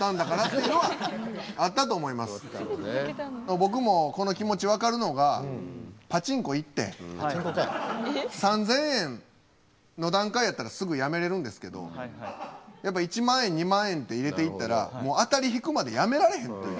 僕もこの気持ち分かるのがパチンコ行って３，０００円の段階やったらすぐやめれるんですけどやっぱ１万円２万円って入れていったらもう当たりひくまでやめられへんという。